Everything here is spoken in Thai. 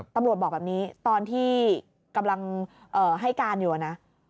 ตำรวจบอกแบบนี้ตอนที่กำลังให้การอยู่นะ